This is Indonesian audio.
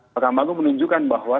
makam agung menunjukkan bahwa